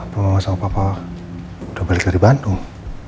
apa mama sama papa udah balik dari bandung